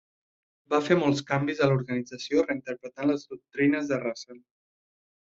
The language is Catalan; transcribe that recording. Va fer molts canvis a l'organització reinterpretant les doctrines de Russell.